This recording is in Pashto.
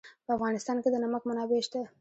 په افغانستان کې د نمک منابع شته.